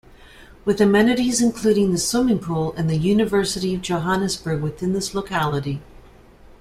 With amenities including the swimming pool and the University of Johannesburg within this locality.